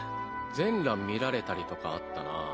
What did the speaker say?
全裸見られたりとかあったなぁ。